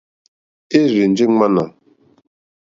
É rzènjé ŋmánà.